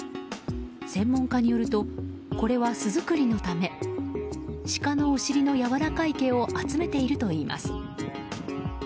専門家によるとこれは巣作りのためシカのお尻のやわらかい毛を集めているといいます。